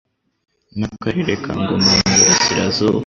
n'Akarere ka Ngoma mu Burasirazuba.